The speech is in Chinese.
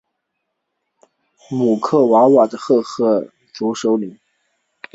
姆克瓦瓦的赫赫族首领。